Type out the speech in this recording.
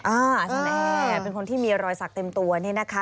อาจารย์แอร์เป็นคนที่มีรอยสักเต็มตัวนี่นะคะ